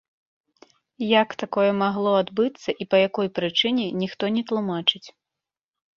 Як такое магло адбыцца і па якой прычыне, ніхто не тлумачыць.